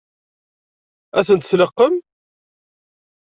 Ad tent-tleqqem?